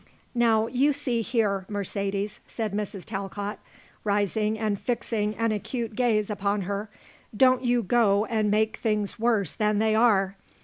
"Now you see here, Mercedes," said Mrs. Talcott, rising and fixing an acute gaze upon her, "don't you go and make things worse than they are.